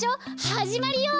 はじまるよ！